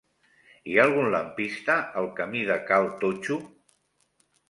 Hi ha algun lampista al camí de Cal Totxo?